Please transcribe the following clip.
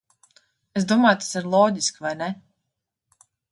Es domāju, tas ir loģiski, vai ne?